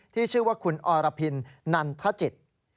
ที่ชื่อว่าคุณอรพินนันทจิต